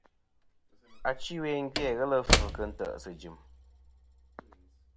Achi ɨwe gvi-a ghelɨ fvɨ kɨ nte ̀sɨ jɨm.